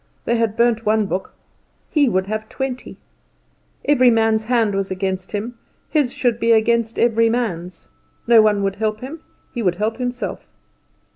They had burnt one book he would have twenty. Every man's hand was against his his should be against every man's. No one would help him he would help himself.